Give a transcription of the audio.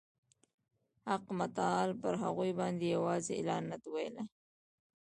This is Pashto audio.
حق متعال پر هغوی باندي یوازي لعنت ویلی.